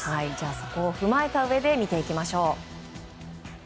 そこを踏まえたうえで見ていきましょう。